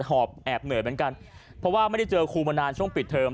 หอบแอบเหนื่อยเหมือนกันเพราะว่าไม่ได้เจอครูมานานช่วงปิดเทอม